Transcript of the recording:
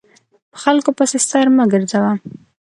په خلکو پسې سر مه ګرځوه !